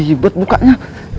ah ribet bukanya